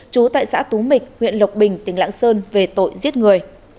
chú tại xã tú mịch huyện lộc bình tỉnh lãng sơn về tội giết người